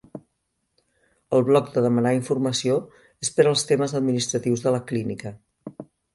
El bloc de demanar informació és per als temes administratius de la clínica.